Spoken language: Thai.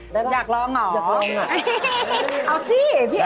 ได้ป่ะอยากลองเหรออยากลองไปดูหน่อยเอ็กซ์ฟังนะ